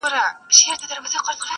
ته مي آیینه یې له غبار سره مي نه لګي-